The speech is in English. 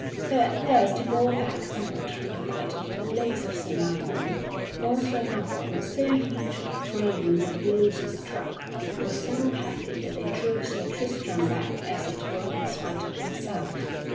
So at first he bore back somewhat from the might of the blows of Sir Nabon. For Sir Nabon was so huge of frame and the blows he struck were so heavy that they drove Sir Tristram back as it were in spite of himself.